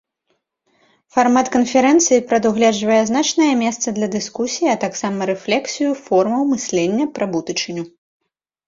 Фармат канферэнцыі прадугледжвае значнае месца для дыскусій, а таксама рэфлексію формаў мыслення пра будучыню.